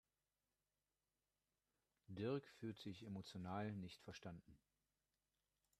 Dirk fühlt sich emotional nicht verstanden.